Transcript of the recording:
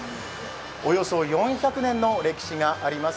およそ４００年の歴史があります